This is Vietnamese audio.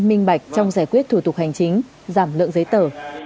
minh bạch trong giải quyết thủ tục hành chính giảm lượng giấy tờ